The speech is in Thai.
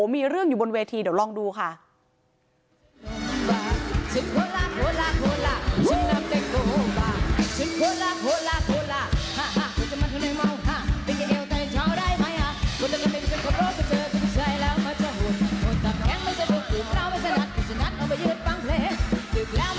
มีเรื่องอยู่บนเวทีเดี๋ยวลองดูค่ะ